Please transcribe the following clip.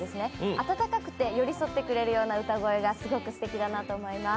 温かくて寄り添ってくれるような歌声がすごくすてきだと思います。